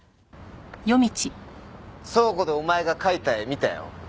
倉庫でお前が描いた絵見たよ。